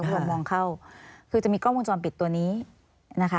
ส่งมองเข้าคือจะมีกล้องวงจรปิดตัวนี้นะคะ